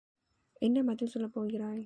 என்ன பதில் சொல்லப் போகிறாய்?